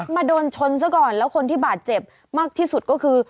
โดนชนซะก่อนแล้วคนที่บาดเจ็บมากที่สุดก็คือ